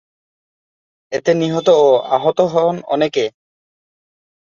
এতে নিহত ও আহত হন অনেকে।